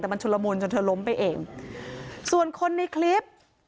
แต่มันชุลมุนจนเธอล้มไปเองส่วนคนในคลิป